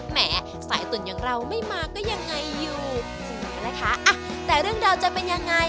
แหมสายตุ่นอย่างเราไม่มาก็ยังไงอยู่ถึงแม้นะคะอ่ะแต่เรื่องราวจะเป็นยังไง